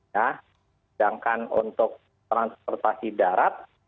sedangkan untuk transportasi darat